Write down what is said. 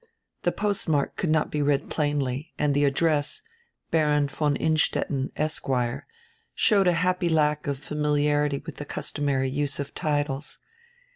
The postmark could not be read plainly and die address, "Baron von Innstetten, Esq.," showed a happy lack of familiarity with die customary use of titles.